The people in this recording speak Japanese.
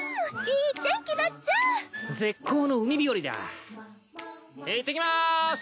いってきます。